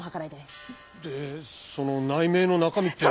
えでその内命の中身ってのは。